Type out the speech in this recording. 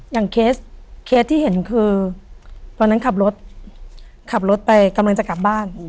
เคสที่เห็นคือตอนนั้นขับรถขับรถไปกำลังจะกลับบ้าน